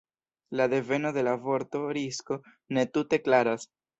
La deveno de la vorto „risko“ ne tute klaras.